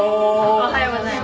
おはようございます。